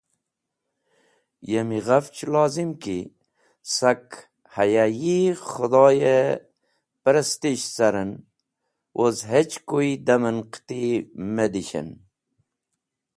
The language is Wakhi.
Yemi ghafch lozim ki sak haya yi Khũdhoy-e parastish caren woz hechkuy dam en qiti me dishen.